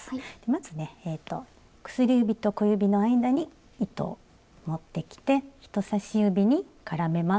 まずね薬指と小指の間に糸を持ってきて人さし指に絡めます。